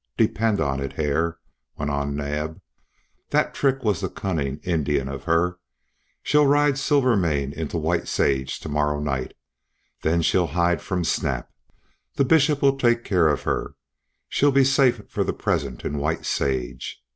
Depend on it, Hare," went on Naab. "That trick was the cunning Indian of her. She'll ride Silvermane into White Sage to morrow night. Then she'll hide from Snap. The Bishop will take care of her. She'll be safe for the present in White Sage.